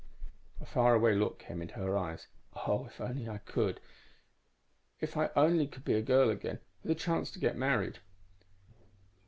"_ _A faraway look came into her eyes. "Oh, if I only could! If I only could be a girl again, with a chance to get married...."